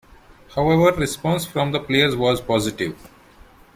However, response from the players was positive.